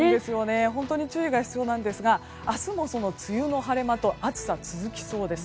本当に注意が必要なんですが明日も梅雨の晴れ間と暑さが続きそうです。